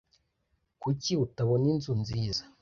Kuki utabona inzu nziza?